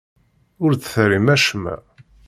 Ur d-terrim acemma.